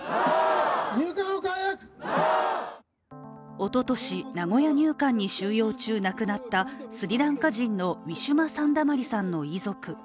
おととし、名古屋入管に収容中亡くなったスリランカ人のウィシュマ・サンダマリさんの遺族。